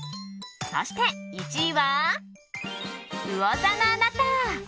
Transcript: そして１位は、うお座のあなた。